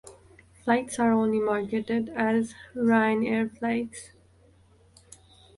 Flights are only marketed as Ryanair flights.